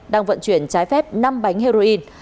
đang vận chuyển trái phép năm bánh heroin